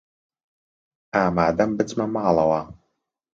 ئامادەم بچمە ماڵەوە.